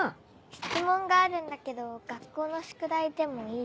質問があるんだけど学校の宿題でもいい？